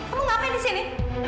kamu ngapain di sini